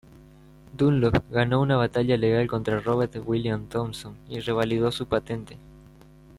Dunlop ganó una batalla legal contra Robert William Thomson y revalidó su patente.